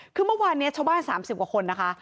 คือเมื่อวานนี้ชาวบ้าน๓๐กว่าคนนะคะ